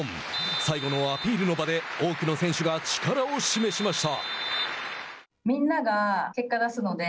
最後のアピールの場で多くの選手が力を示しました。